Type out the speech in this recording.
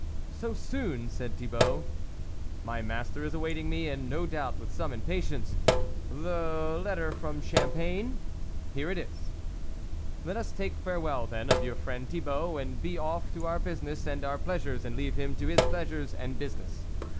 " So soon ?" said Thibault. " My master is awaiting me, and no THE WOLF LEADER 79 doubt with some impatience .... the letter, Champagne ?"" Here it is." " Let us take farewell then of your friend Thibault, and be off to our business and our pleasures, and leave him to his pleasures and business."